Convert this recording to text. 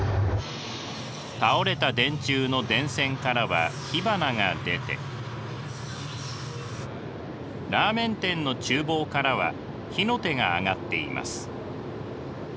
倒れた電柱の電線からは火花が出てラーメン店のちゅう房からは火の手が上がっています。